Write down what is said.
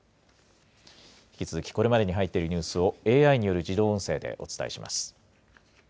引き続き、これまでに入っているニュースをＡＩによる自動音声でお伝えします。